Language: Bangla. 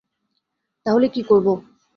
তাহলে কী করবো?